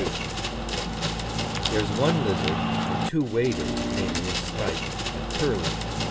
There is one lizard and two waders, namely, a snipe and curlew.